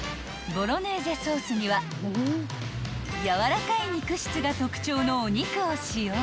［ボロネーゼソースにはやわらかい肉質が特徴のお肉を使用］